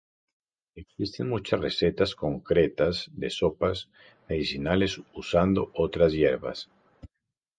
Existen muchas recetas concretas de sopas medicinales usando otras hierbas.